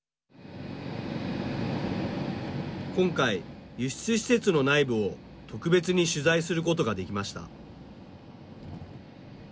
今回、輸出施設の内部を特別に取材することができました。